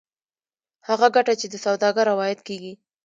هغه ګټه چې د سوداګر عواید کېږي